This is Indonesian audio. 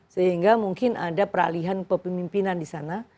sehingga mungkin ada peralihan kepemimpinan di sana